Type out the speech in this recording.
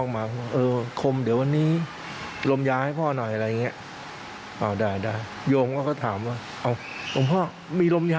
มาติดตรงติดเตาอะไรอย่างเงี้ย